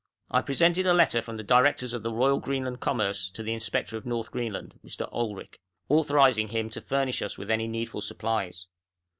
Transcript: I presented a letter from the Directors of the Royal Greenland Commerce to the Inspector of North Greenland, Mr. Olrik, authorising him to furnish us with any needful supplies.